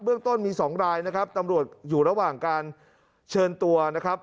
เรื่องต้นมี๒รายนะครับตำรวจอยู่ระหว่างการเชิญตัวนะครับ